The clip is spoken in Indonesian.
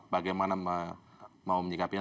bagaimana mau menikapin